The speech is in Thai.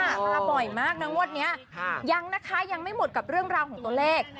มาบ่อยมากนะงวดนี้ยังนะคะยังไม่หมดกับเรื่องราวของตัวเลข